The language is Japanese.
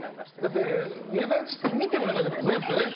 だって見てもらいたいわけだもんね。